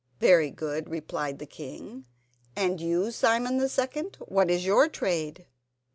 "Very good," replied the king. "And you, Simon the second, what is your trade?"